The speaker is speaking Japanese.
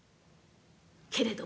けれど